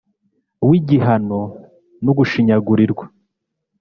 w’igihano n’ugushinyagurirwa.